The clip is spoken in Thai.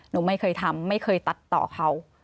หนูไม่เคยทำไม่เคยตัดต่อเขา